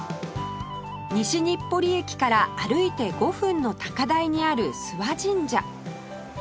西日暮里駅から歩いて５分の高台にある諏方神社